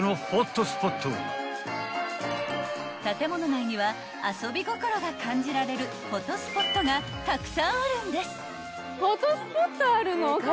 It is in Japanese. ［建物内には遊び心が感じられるフォトスポットがたくさんあるんです］